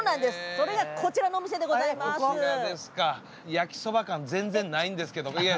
焼きそば感全然ないんですけど。